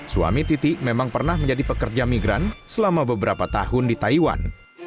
suami titi memang pernah menjadi pekerja migran selama beberapa tahun di taiwan